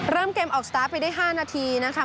เริ่มเกมออกสตาร์ทไปได้๕นาทีนะคะ